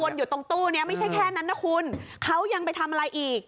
อยู่ตรงตู้นี้ไม่ใช่แค่นั้นนะคุณเขายังไปทำอะไรอีก